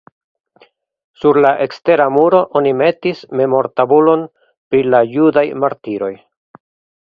Sur la ekstera muro oni metis memortabulon pri la judaj martiroj.